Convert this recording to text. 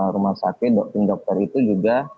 rumah sakit dokter itu juga